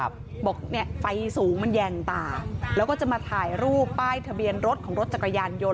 บอกเนี่ยไฟสูงมันแยงตาแล้วก็จะมาถ่ายรูปป้ายทะเบียนรถของรถจักรยานยนต